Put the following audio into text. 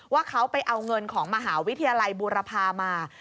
ว่าเขาไปเอาเงินของมหาวิทยาลัยบูรพามา